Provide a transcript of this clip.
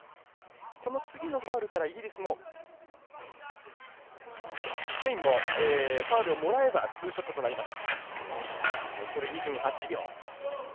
この次のファウルからイギリスもスペインもファウルをもらえばツーショットとなります。